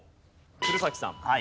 鶴崎さん。